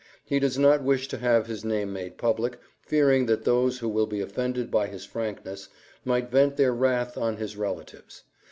He does not wish to have his name made public, fearing that those who will be offended by his frankness might vent their wrath on his relatives.